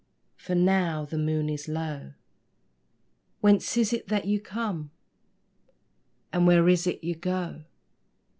For now the moon is low. Whence is it that ye come, And where is it ye go?